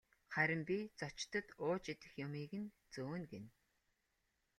Харин би зочдод ууж идэх юмыг нь зөөнө гэнэ.